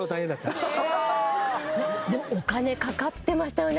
でもお金かかってましたよね